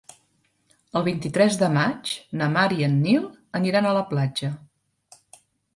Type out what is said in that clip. El vint-i-tres de maig na Mar i en Nil aniran a la platja.